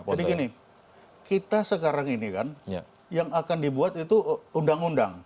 jadi gini kita sekarang ini kan yang akan dibuat itu undang undang